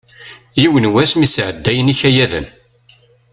Yiwen wass mi sɛeddayen ikayaden.